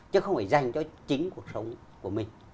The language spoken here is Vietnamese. chứ không phải dành cho chính cuộc sống của mình